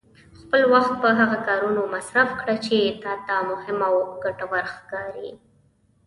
خپل وخت په هغه کارونو مصرف کړه چې تا ته مهم او ګټور ښکاري.